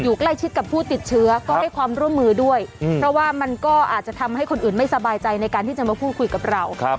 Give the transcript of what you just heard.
ใกล้ชิดกับผู้ติดเชื้อก็ให้ความร่วมมือด้วยเพราะว่ามันก็อาจจะทำให้คนอื่นไม่สบายใจในการที่จะมาพูดคุยกับเรา